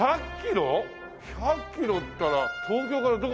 １００キロっつったら東京からどこまで行く？